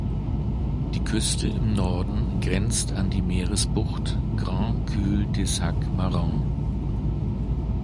Die Küste im Norden grenzt an die Meeresbucht "Grand Cul-de-sac marin".